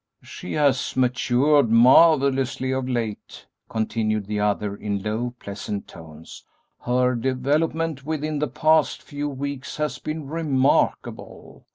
"She has matured marvellously of late," continued the other, in low, pleasant tones; "her development within the past few weeks has been remarkable.